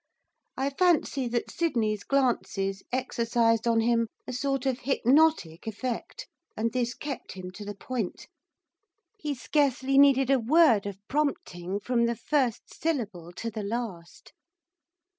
I fancy that Sydney's glances exercised on him a sort of hypnotic effect, and this kept him to the point, he scarcely needed a word of prompting from the first syllable to the last.